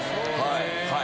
はい。